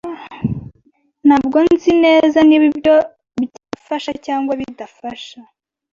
Ntabwo nzi neza niba ibyo byafasha cyangwa bidafasha.